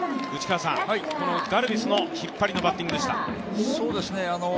このガルビスの引っ張りのバッティングでした。